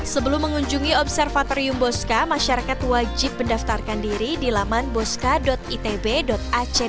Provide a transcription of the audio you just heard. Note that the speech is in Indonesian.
sebelum mengunjungi observatorium bosca masyarakat wajib mendaftarkan diri di dalaman boska itb a c id